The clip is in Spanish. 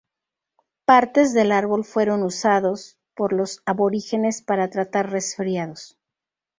Partes del árbol fueron usados por los aborígenes para tratar resfriados.